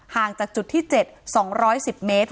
ห่างจากจุดที่๗๒๑๐เมตร